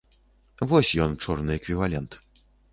Вось ён, чорны эквівалент.